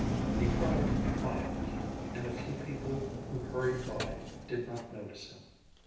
He cried quietly, and the few people who hurried by did not notice him.